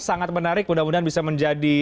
sangat menarik mudah mudahan bisa menjadi